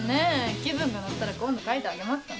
気分が乗ったら今度描いてあげますから。